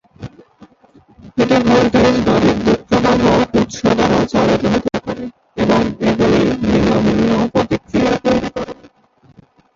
এটি ভোল্টেজ বা বিদ্যুৎ প্রবাহ উৎস দ্বারা চালিত হতে পারে এবং এগুলি ভিন্ন ভিন্ন প্রতিক্রিয়া তৈরি করবে।